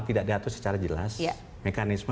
tidak diatur secara jelas mekanisme